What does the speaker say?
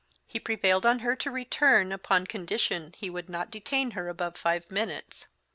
He prevailed on her to return, upon condition that he would not detain her above five minutes.